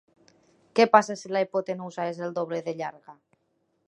Què passa si la hipotenusa és el doble de llarga?